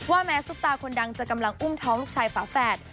แม้ซุปตาคนดังจะกำลังอุ้มท้องลูกชายฝาแฝด